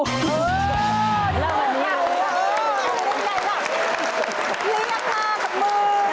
เฮ่ยแบบนี้ค่ะ